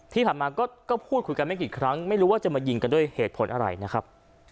ที่ผ่านมาก็พูดคุยกันไม่กี่ครั้งไม่รู้ว่าจะมายิงกันด้วยเหตุผลอะไรนะครับ